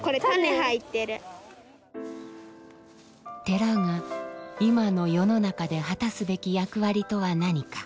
寺が今の世の中で果たすべき役割とは何か？